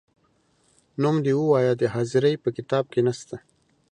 نوم دي ووایه د حاضرۍ په کتاب کې نه سته ،